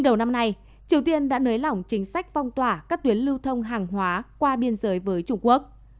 đầu năm nay triều tiên đã nới lỏng chính sách phong tỏa các tuyến lưu thông hàng hóa qua biên giới với trung quốc